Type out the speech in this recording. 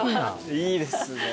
いいですね。